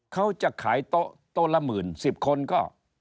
เขาจะขายโต๊ะละหมื่น๑๐คนก็